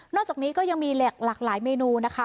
จากนี้ก็ยังมีหลากหลายเมนูนะคะ